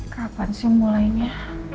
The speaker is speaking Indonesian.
kapan sih mulainya